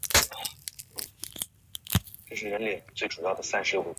拉庞乌斯德塞尔农人口变化图示